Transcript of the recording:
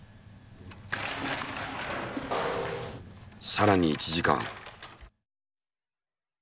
さらに１時間。